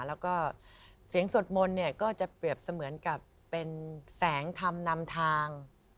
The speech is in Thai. แล้วก็เสียงสวดมนต์เนี่ยก็จะเปรียบเสมือนกับเป็นแสงธรรมนำทาง